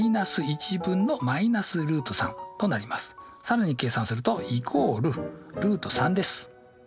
更に計算すると＝ルート３です。